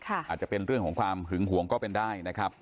อาจจะเป็นเรื่องของความหึงหวงก็เป็นได้นะครับ